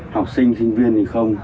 học sinh sinh viên thì không